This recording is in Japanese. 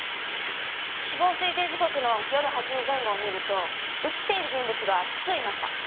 死亡推定時刻の夜８時前後を見ると映っている人物が複数いました。